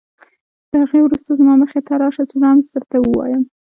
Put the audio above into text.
له هغې وروسته زما مخې ته راشه چې رمز درته ووایم.